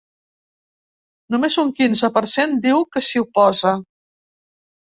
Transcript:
Només un quinze per cent diu que s’hi oposa.